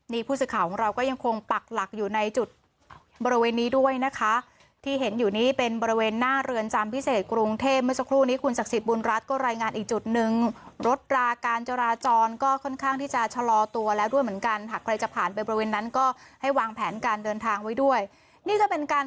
นี่ผู้สื่อข่าวของเราก็ยังคงปักหลักอยู่ในจุดบริเวณนี้ด้วยนะคะที่เห็นอยู่นี้เป็นบริเวณหน้าเรือนจำพิเศษกรุงเทพเมื่อสักครู่นี้คุณศักดิ์สิทธิบุญรัฐก็รายงานอีกจุดนึงรถราการจราจรก็ค่อนข้างที่จะชะลอตัวแล้วด้วยเหมือนกันหากใครจะผ่านไปบริเวณนั้นก็ให้วางแผนการเดินทางไว้ด้วยนี่ก็เป็นการ